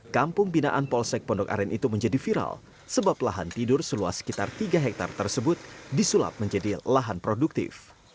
kampung binaan polsek pondok aren itu menjadi viral sebab lahan tidur seluas sekitar tiga hektare tersebut disulap menjadi lahan produktif